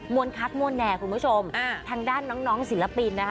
วนคักมวลแน่คุณผู้ชมทางด้านน้องน้องศิลปินนะคะ